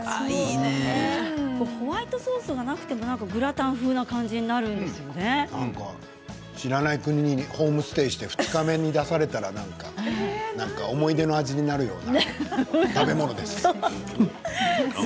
ホワイトソースじゃなくても知らない国にホームステイして２日目に出されたらなんか思い出の味になるような食べ物です。